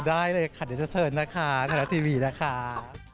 ได้เลยค่ะเดี๋ยวเชิญนะคะธนาทีวีนะคะ